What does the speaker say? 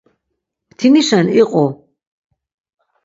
Mtinişen iqu.